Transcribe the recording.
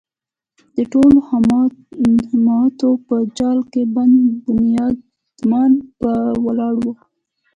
د توهماتو په جال کې بند بنیادمان به ولاړ وو.